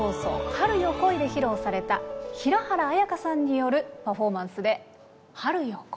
春よ、来い！」で披露された平原綾香さんによるパフォーマンスで「春よ、来い」。